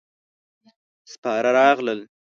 سپاره راغلل.